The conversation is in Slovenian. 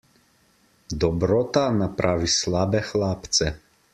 Dobrota napravi slabe hlapce.